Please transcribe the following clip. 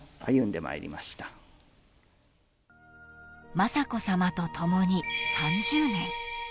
［雅子さまと共に３０年］